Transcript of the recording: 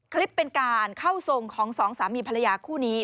คลิปเป็นการเข้าทรงของสองสามีภรรยาคู่นี้